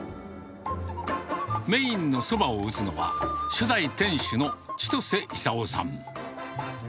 メインのそばを打つのは、初代店主の千歳功さん。